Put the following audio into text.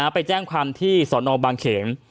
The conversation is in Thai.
ไปแจ้งความที่สนบางเขน